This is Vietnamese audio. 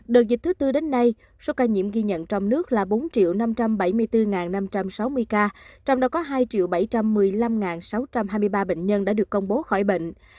đợt dịch thứ tư đến nay số ca nhiễm ghi nhận trong nước là bốn năm trăm bảy mươi bốn năm trăm sáu mươi ca trong đó có hai bảy trăm một mươi năm sáu trăm hai mươi ba bệnh nhân đã được công bố khỏi bệnh